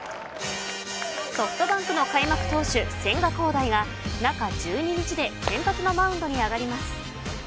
ソフトバンクの開幕投手、千賀滉大が中１２日で先発のマウンドに上がります。